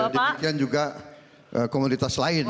kemudian juga komoditas lain